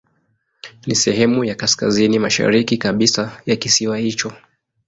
Ni sehemu ya kaskazini mashariki kabisa ya kisiwa hicho.